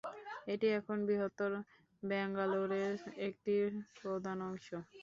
এটি এখন বৃহত্তর ব্যাঙ্গালোরের একটি প্রধান অংশ।